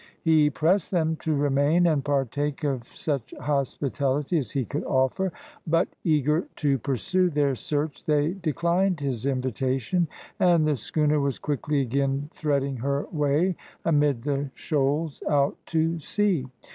He pressed them to remain and partake of such hospitality as he could offer; but eager to pursue their search they declined his invitation, and the schooner was quickly again threading her way amid the shoals out to sea.